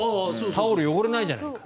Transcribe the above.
タオル汚れないじゃないか。